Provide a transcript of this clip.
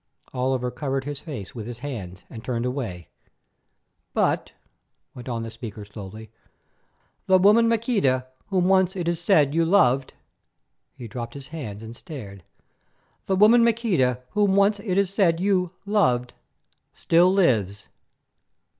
Oliver covered his face with his hands and turned away. "But," went on the speaker slowly, "the woman Maqueda whom once it is said you loved——" He dropped his hands and stared. "——the woman Maqueda whom once it is said you—loved—still lives."